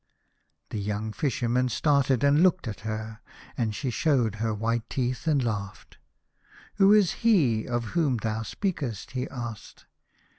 The young Fisherman started and looked at her, and she showed her white teeth and laugfhed. "Who is He of whom thou speakest ?" he asked.